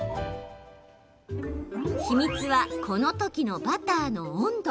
秘密はこのときのバターの温度。